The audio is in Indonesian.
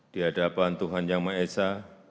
dihadapan tuhan yang maha esa